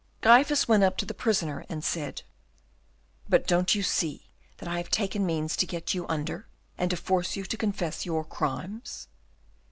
Gryphus went up to the prisoner and said, "But you don't see that I have taken means to get you under, and to force you to confess your crimes."